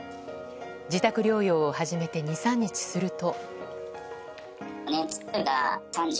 自宅療養を始めて２３日すると。